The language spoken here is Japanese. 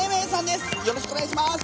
よろしくお願いします。